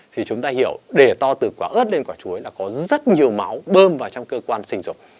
thì chúng ta hiểu để to từ quả ớt lên quả chuối là có rất nhiều máu bơm vào trong cơ quan sinh dục